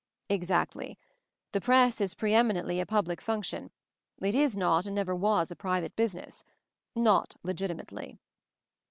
"Exactly. The Press is pre eminently a public function — it is not and never was a private business — not legitimately."